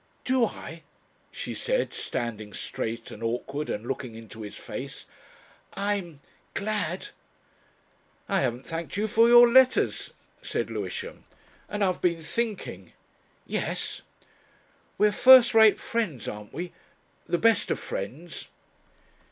"Do I?" she said, standing straight and awkward and looking into his face, "I'm ... glad." "I haven't thanked you for your letters," said Lewisham, "And I've been thinking ..." "Yes?" "We're first rate friends, aren't we? The best of friends."